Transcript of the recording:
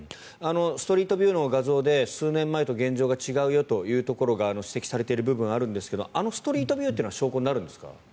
ストリートビューの画像で数年前と現状が違うよというところが指摘されている部分があるんですがあのストリートビューは証拠になるんですか？